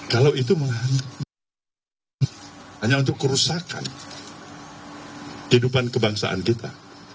kalau itu hanya untuk kerusakan kehidupan kebangsaan kita